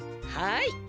はい。